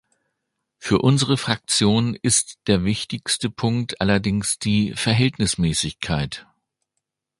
Für unsere Fraktion ist der wichtigste Punkt allerdings die Verhältnismäßigkeit.